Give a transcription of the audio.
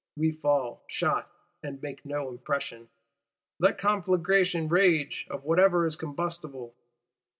We fall, shot; and make no impression! Let conflagration rage; of whatsoever is combustible!